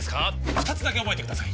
二つだけ覚えてください